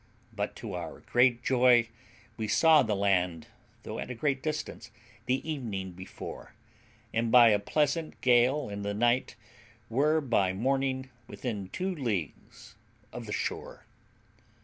But, to our great joy, we saw the land, though at a great distance, the evening before, and by a pleasant gale in the night were by morning within two leagues of the shore.